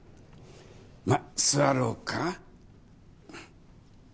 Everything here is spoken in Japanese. まあ座ろうか？